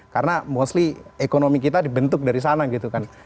karena mostly ekonomi kita dibentuk dari sana gitu kan